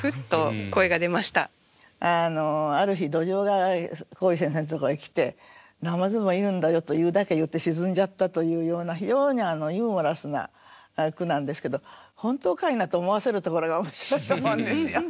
ある日ドジョウが耕衣先生のところへ来て「ナマズもいるんだよ」と言うだけ言って沈んじゃったというような非常にユーモラスな句なんですけど本当かいなと思わせるところが面白いと思うんですよ。